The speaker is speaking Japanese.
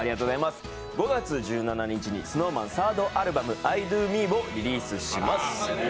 ５月１７日にＳｎｏｗＭａｎサードアルバム、「ｉＤＯＭＥ」をリリースします。